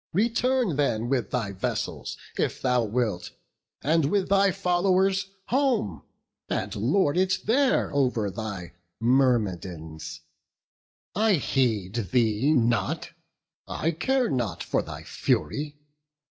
Return then, with thy vessels, if thou wilt, And with thy followers, home; and lord it there Over thy Myrmidons! I heed thee not! I care not for thy fury!